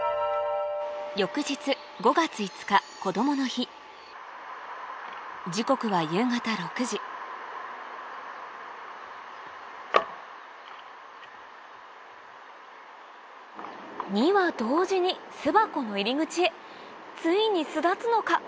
翌日５月５日こどもの日時刻は２羽同時に巣箱の入り口へついに巣立つのか